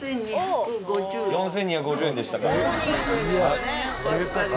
４，２５０円でしたか。